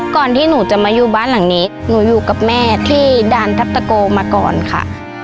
ก่อนที่หนูจะมาอยู่บ้านหลังนี้หนูอยู่กับแม่ที่ด่านทัพตะโกมาก่อนค่ะ